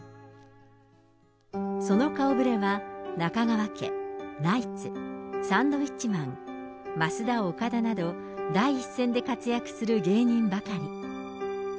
その顔ぶれは、中川家、ナイツ、サンドウィッチマン、ますだおかだなど、第一線で活躍する芸人ばかり。